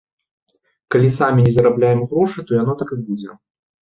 Калі самі не зарабляем грошы, то яно так і будзе.